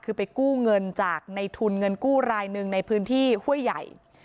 คือไปกู้เงินจากในทุนเงินกู้รายหนึ่งในพื้นที่ห้วยใหญ่